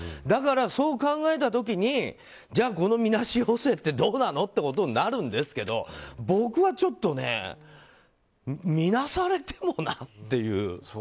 だから、そう考えた時にじゃあみなし陽性ってどうなの？ってことになるんですけど僕はちょっとねみなされてもなっていう。